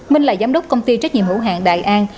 minh là giám đốc công ty trách nhiệm hữu hạng đại an